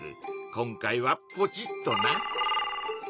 今回はポチッとな！